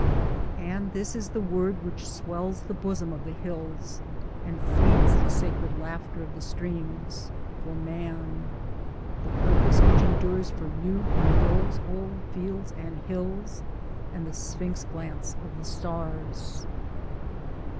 And this is the word which swells the bosom of the hills and feeds the sacred laughter of the streams, for man : the purpose which endures for you in those old fields and hills and the sphinx glance of the stars.